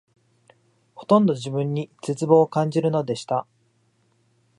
ほとんど自分に絶望を感じるのでした